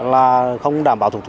là không đảm bảo sức khỏe